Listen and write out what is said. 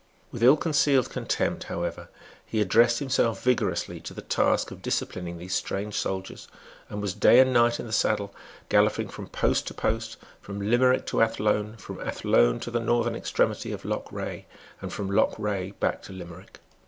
With ill concealed contempt, however, he addressed himself vigorously to the task of disciplining these strange soldiers, and was day and night in the saddle, galloping from post to post, from Limerick to Athlone, from Athlone to the northern extremity of Lough Rea, and from Lough Rea back to Limerick.